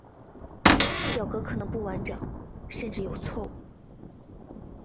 表格可能不完整甚至有错误。